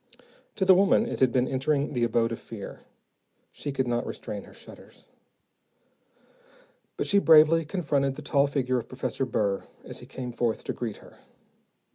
To the woman, it had been entering the abode of fear. She could not restrain her shudders. But she bravely confronted the tall figure of Professor Burr, as he came forth to greet her.